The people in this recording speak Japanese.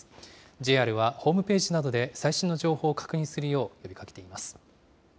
ＪＲはホームページなどで最新の情報を確認するよう呼びかけています。